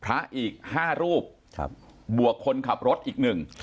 พระอีก๕รูปบวกคนขับรถอีก๑